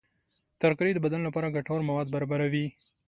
ترکاري د بدن لپاره ګټور مواد برابروي.